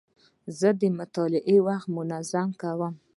زه د مطالعې وخت منظم کوم.